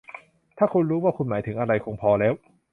ถ้าคุณรู้ว่าคุณหมายถึงอะไร คงพอแล้ว